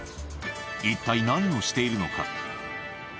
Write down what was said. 一体何をしているのか？